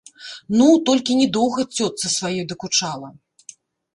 Ну, толькі не доўга цётцы сваёй дакучала.